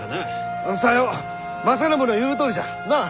さよう正信の言うとおりじゃ。なあ？